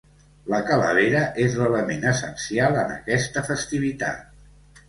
La calavera és l’element essencial en aquesta festivitat.